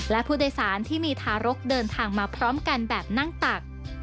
และผู้โดยสารที่มีทารกเดินทางมาพร้อมกันแบบนั่งตัก